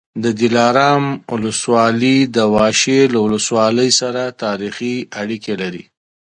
د دلارام ولسوالي د واشېر له ولسوالۍ سره تاریخي اړیکې لري